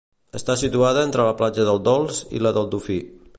Està situada entre la platja del Dolç i la del Dofí.